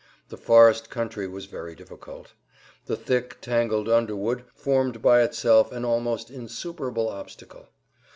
The forest country was very difficult. The thick, tangled underwood formed by itself an almost insuperable obstacle.